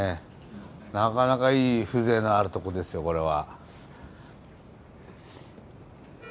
なかなかいい風情のあるとこですよこれは。